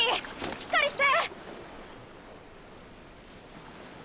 しっかりして！